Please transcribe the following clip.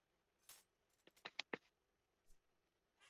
Dagoeneko prest dituzte abestiak.